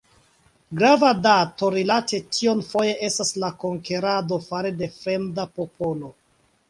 Grava dato rilate tion foje estas la konkerado fare de fremda popolo.